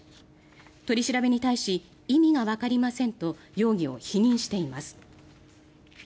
取り調べに対し意味がわかりませんと容疑を否認しています。